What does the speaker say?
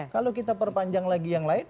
kalau kita perpanjang lagi yang lain